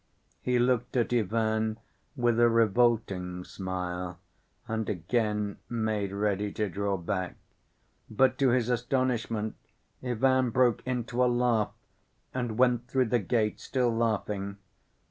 He looked at Ivan with a revolting smile, and again made ready to draw back. But to his astonishment Ivan broke into a laugh, and went through the gate still laughing.